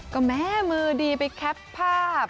ก็แม้มือดีไปแคปภาพ